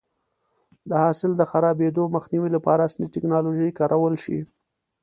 د حاصل د خرابېدو مخنیوی لپاره عصري ټکنالوژي کارول شي.